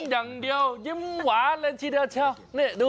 ยิ้มอย่างเดียวยิ้มหวานนะชิดะเชียวนี่ดู